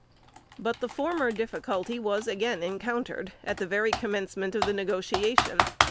But the former difficulty was again encountered, at the very commencement of the negotiation.